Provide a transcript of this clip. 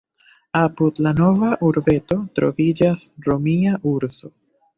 Apud la nova urbeto troviĝas romia "Urso".